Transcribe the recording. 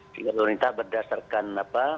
jadi pemerintah berdasarkan apa